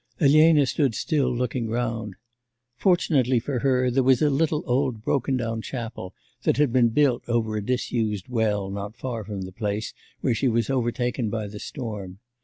Elena stood still looking round.... Fortunately for her, there was a little old broken down chapel that had been built over a disused well not far from the place where she was overtaken by the storm.